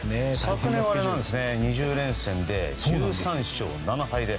昨年は２０連戦で１３勝７敗で